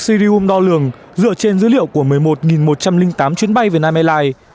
syriom đo lường dựa trên dữ liệu của một mươi một một trăm linh tám chuyến bay việt nam airlines